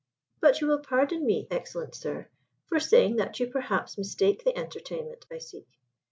"But you will pardon me, excellent sir, for saying that you perhaps mistake the entertainment I seek.